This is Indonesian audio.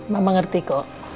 mama ngerti kok